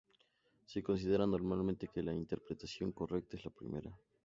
Se considera normalmente que la interpretación correcta es la primera.